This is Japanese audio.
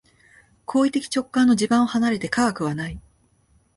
行為的直観の地盤を離れて科学はない。